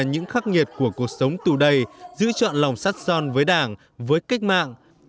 những khắc nghiệt của cuộc sống tù đầy giữ chọn lòng sát son với đảng với cách mạng